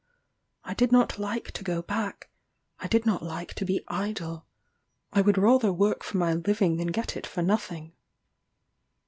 I did not like to go back I did not like to be idle. I would rather work for my living than get it for nothing.